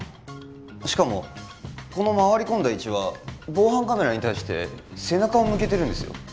しかもこの回り込んだ位置は防犯カメラに対して背中を向けてるんですよ